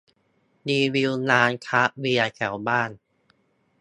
รีวิวร้านคราฟต์เบียร์แถวบ้าน